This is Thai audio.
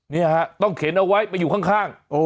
นี่ฮะต้องเข็นเอาไว้ไปอยู่ข้าง